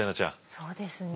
そうですね。